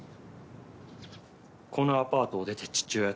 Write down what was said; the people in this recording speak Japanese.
このアパートを出て父親と暮らす。